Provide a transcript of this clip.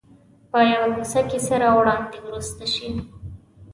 په یوه کوڅه کې سره وړاندې ورسته شي.